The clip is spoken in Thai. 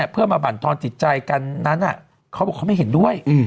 เพื่อมาบรรทอนจิตใจกันนั้นเขาบอกเขาไม่เห็นด้วย